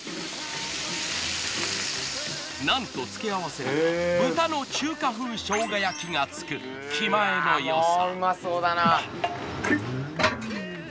なんとつけあわせには豚の中華風生姜焼きがつく気前のよさ。